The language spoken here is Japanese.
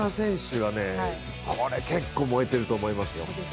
これ、結構燃えていると思いますよ。